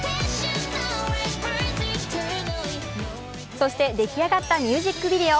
そして出来上がったミュージックビデオ